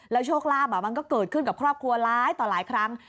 โชคลาภมันก็เกิดขึ้นกับครอบครัวร้ายต่อหลายครั้ง